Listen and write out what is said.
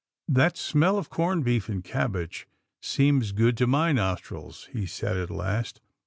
" That smell of corned beef and cabbage seems good to my nostrils," he said at last.